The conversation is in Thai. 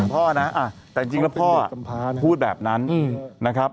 พ่อนะแต่จริงแล้วพ่อพูดแบบนั้นนะครับ